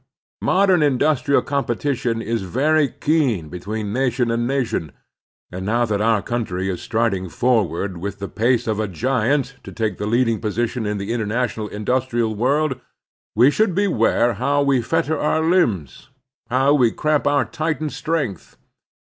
Modem industrial competition is very keen between nation and nation, and now that our country is striding forward with the pace of a giant to take the leading position in the inter national industrial world, we should beware how we fetter our limbs, how we cramp our Titan strength.